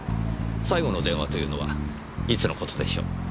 最後の電話というのはいつの事でしょう？